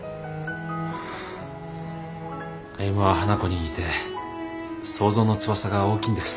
歩は花子に似て想像の翼が大きいんです。